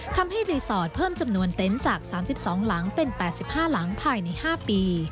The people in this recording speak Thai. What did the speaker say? ทำให้รีสอร์ทเพิ่มจำนวนเต็นต์จาก๓๒หลังเป็น๘๕หลังภายใน๕ปี